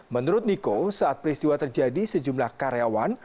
menurut niko saat peristiwa terjadi sejumlah karyawan